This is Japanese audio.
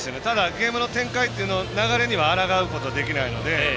ゲームの展開、流れには抗うことはできないので。